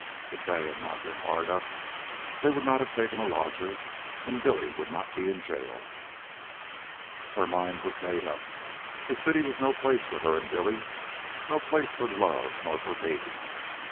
If they had not been hard up, they would not have taken a lodger, and Billy would not be in jail. Her mind was made up. The city was no place for her and Billy, no place for love nor for babies.